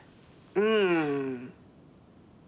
うん。